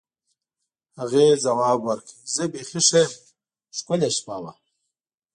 هغې ځواب ورکړ: زه بیخي ښه یم، ښکلې شپه وه.